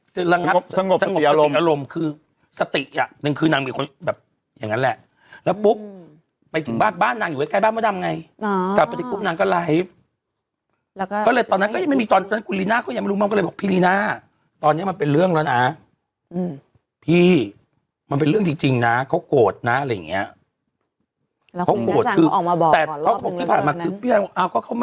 สงบสงบสงบสงบสงบสงบสงบสงบสงบสงบสงบสงบสงบสงบสงบสงบสงบสงบสงบสงบสงบสงบสงบสงบสงบสงบสงบสงบสงบสงบสงบสงบสงบสงบสงบสงบสงบสงบสงบสงบสงบสงบสงบสงบสงบสงบสงบสงบสงบสงบสงบสงบสงบสงบสงบสงบ